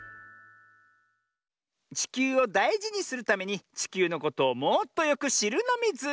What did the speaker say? ちきゅうをだいじにするためにちきゅうのことをもっとよくしるのミズ！